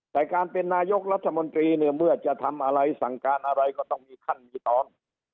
แต่การเป็นนายกรัฐมนตรีเนี่ยเมื่อจะทำอะไรสั่งการอะไรก็ต้องมีขั้นมีตอน